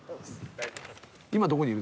今どこにいる？